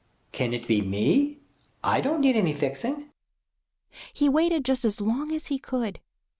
Can it be me? I don't need any fixing." He waited just as long as he could.